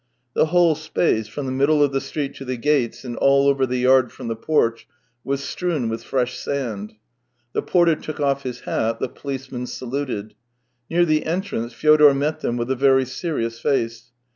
The whole space, from the middle of the street to the gates and all over the yard from the porch, was strewn with fresh sand. The porter took off his hat, the policemen saluted. Near the entrance Fyodor met them with a very serious face.